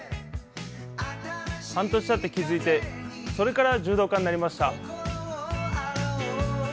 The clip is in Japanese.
半年たって気づいて、それから柔道家になりました。